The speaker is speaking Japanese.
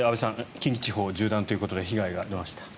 近畿地方縦断ということで被害が出ました。